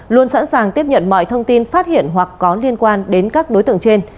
luôn sẵn sàng tiếp nhận mọi thông tin phát hiện hoặc có liên quan đến các đối tượng trên